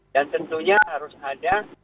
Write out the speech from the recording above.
dan tentunya harus ada